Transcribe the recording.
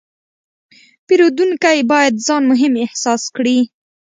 پیرودونکی باید ځان مهم احساس کړي.